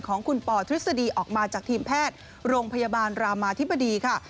ของคุณปอทฤษฎีออกมาจากทีมแพทย์โรงพยาบาลรามาธิบดีค่ะ